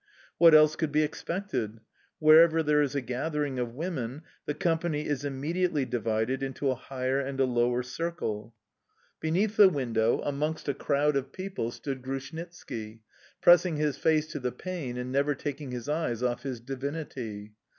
What else could be expected? Wherever there is a gathering of women, the company is immediately divided into a higher and a lower circle. Beneath the window, amongst a crowd of people, stood Grushnitski, pressing his face to the pane and never taking his eyes off his divinity.